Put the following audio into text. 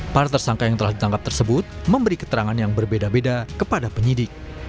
para tersangka yang telah ditangkap tersebut memberi keterangan yang berbeda beda kepada penyidik